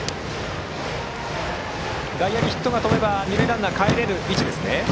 外野にヒットが飛べば二塁ランナーはかえれる位置です。